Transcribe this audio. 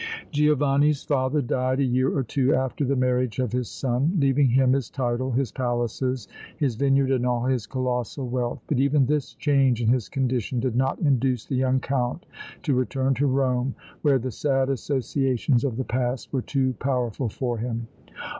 Giovanni's father died a year or two after the marriage of his son, leaving him his title, his palaces, his vineyard and all his colossal wealth; but even this change in his condition did not induce the young Count to return to Rome, where the sad associations of the past were too powerful for him.